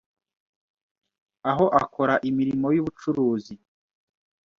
aho akora imirimo y’ubucuruzi,